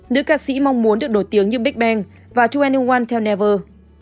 nữ ca sĩ mong muốn được nổi tiếng như big bang và hai ne một theo never